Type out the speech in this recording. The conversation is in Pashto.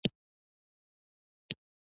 محمد داؤد خان د صدراعظم په توګه ځانګړی ځای درلود.